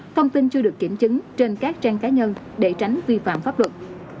thông tin chưa được kiểm chứng trên các trang cá nhân để tránh vi phạm pháp luật